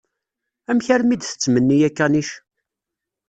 Amek armi i d-tettmenni akanic?